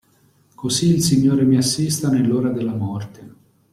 Così il Signore mi assista nell'ora della morte.